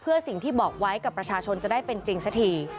เพื่อสิ่งที่บอกไว้กับประชาชนจะได้เป็นจริงสักที